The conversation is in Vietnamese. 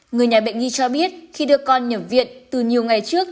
người nhà bệnh nhi cho biết khi đưa con nhập viện từ nhiều ngày trước